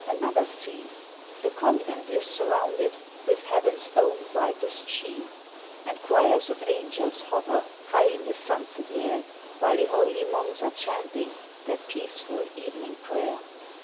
another scene. The Convent is surrounded With Heaven's own brightest sheen. And choirs of Angels hover High in the sunset air, While th' holy monks are chanting Their peaceful, evening prayer.